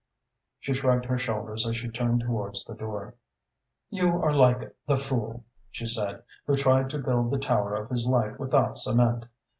She shrugged her shoulders as she turned towards the door. "You are like the fool," she said, "who tried to build the tower of his life without cement.